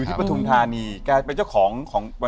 อยู่ที่ประทุมธานีเป็นเจ้าของโรงศรีครับ